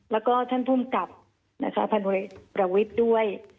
แล้วก็ท่านผู้กับผ่านโดยประวิทย์ด้วย